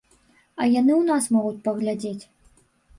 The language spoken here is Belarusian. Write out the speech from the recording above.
А яны ў нас могуць паглядзець.